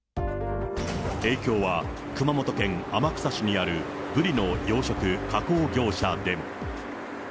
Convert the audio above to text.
影響は熊本県天草市にあるブリの養殖・加工業者でも。